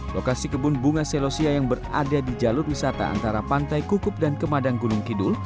lokasi kebun bunga selosia yang berada di jalur wisata antara pantai kukup dan kemadang gunung kidul